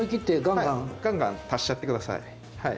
ガンガン足しちゃってください。